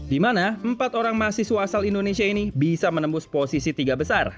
di mana empat orang mahasiswa asal indonesia ini bisa menembus posisi tiga besar